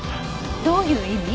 どういう意味？